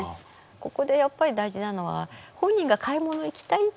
ここでやっぱり大事なのは本人が買い物行きたいって言った。